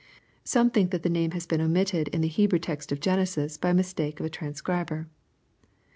Some think that the name has been omitted in tiie Hebrew text of Gknesis, by mistake of a transcriber.